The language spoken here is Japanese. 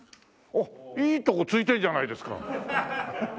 あっいいとこついてるじゃないですか。